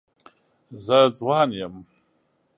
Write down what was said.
زه ځوان یم.